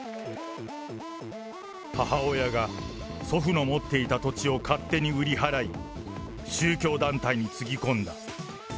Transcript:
母親が祖父の持っていた土地を勝手に売り払い、宗教団体につぎ込んだ。